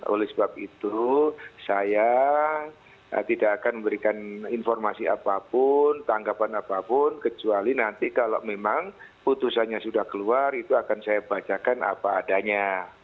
oleh sebab itu saya tidak akan memberikan informasi apapun tanggapan apapun kecuali nanti kalau memang putusannya sudah keluar itu akan saya bacakan apa adanya